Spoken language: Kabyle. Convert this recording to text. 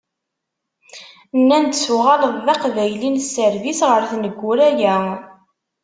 Nnan-d tuɣaleḍ d Aqbayli n sserbis ɣer tneggura-yi.